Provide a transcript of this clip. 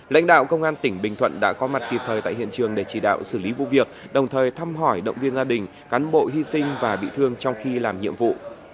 lãnh đạo công an tỉnh bình thuận đã có mặt kịp thời tại hiện trường để chỉ đạo xử lý vụ việc đồng thời thăm hỏi động viên gia đình cán bộ hy sinh và bị thương trong khi làm nhiệm vụ